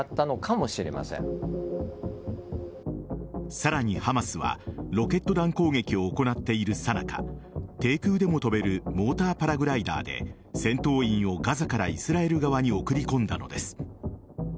さらに、ハマスはロケット弾攻撃を行っているさなか低空でも飛べるモーターパラグライダーで戦闘員をガザからイスラエル側に送り込んだのです。